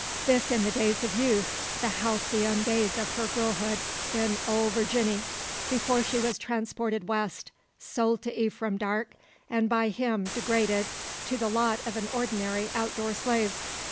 This in the days of youth the halcyon days of her girlhood, in "Ole Varginny" before she was transported west, sold to Ephraim Darke, and by him degraded to the lot of an ordinary outdoor slave.